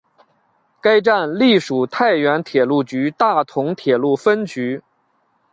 该站隶属太原铁路局大同铁路分局。